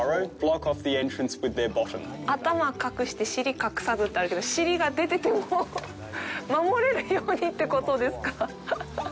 頭隠して尻隠さずってあるけど尻が出てても守れるようにってことですか。